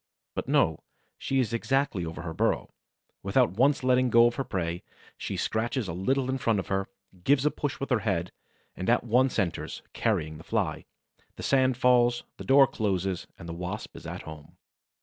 But no; she is exactly over her burrow. Without once letting go her prey, she scratches a little in front of her, gives a push with her head, and at once enters, carrying the Fly. The sand falls in, the door closes, and the Wasp is at home.